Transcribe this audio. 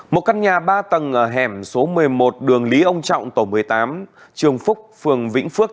một căn nhà ba tầng ở hẻm số một mươi một đường lý ông trọng tổ một mươi tám trường phúc phường vĩnh phước